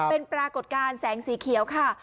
เป็นปรากฏการณ์แสงสีเขียวค่ะ